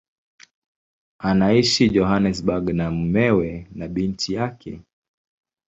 Anaishi Johannesburg na mumewe na binti yake.